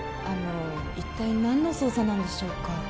あの一体何の捜査なんでしょうか？